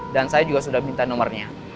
dan saya juga sudah minta nomornya